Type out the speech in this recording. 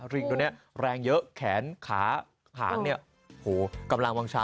วิทยาลัยศาสตร์อัศวิทยาลัยศาสตร์